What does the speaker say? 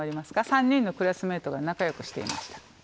３人のクラスメートが仲良くしていました。